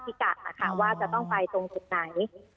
ชิ้นพิกัดเลยนะฮะว่าจะต้องไปตรงจุดไหน